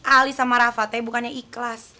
ali sama rafa t bukannya ikhlas